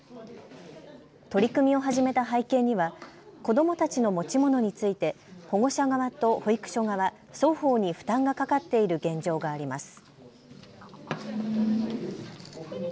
取り組みを始めた背景には子どもたちの持ち物について保護者側と保育所側、双方に負担がかかっている現状があります。